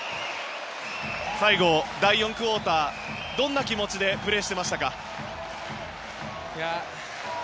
最後、第４クオーターどんな気持ちでプレーしてましたか？